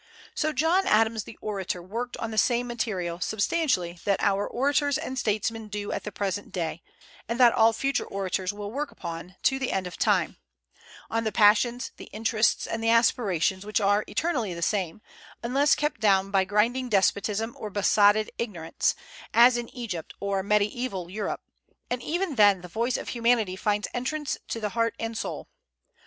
So John Adams the orator worked on the same material, substantially, that our orators and statesmen do at the present day, and that all future orators will work upon to the end of time, on the passions, the interests, and the aspirations which are eternally the same, unless kept down by grinding despotism or besotted ignorance, as in Egypt or mediaeval Europe, and even then the voice of humanity finds entrance to the heart and soul.